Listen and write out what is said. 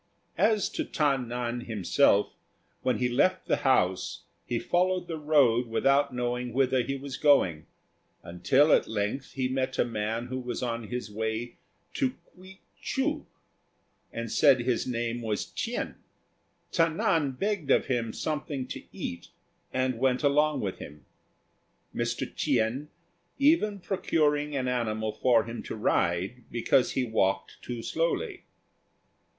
As to Ta nan himself, when he left the house he followed the road without knowing whither he was going, until at length he met a man who was on his way to K'uei chou, and said his name was Ch'ien. Ta nan begged of him something to eat, and went along with him; Mr. Ch'ien even procuring an animal for him to ride because he walked too slowly.